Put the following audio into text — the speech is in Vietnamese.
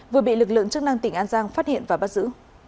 vừa bị lực lượng chức năng tỉnh an giang phát hiện và bắt giữ